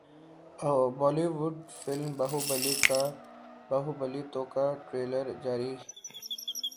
Bali would film Baahubali two کا trailer جاری